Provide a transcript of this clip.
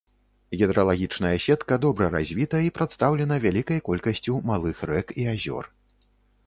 Гідралагічная сетка добра развіта і прадстаўлена вялікай колькасцю малых рэк і азёр.